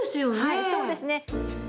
はいそうですね。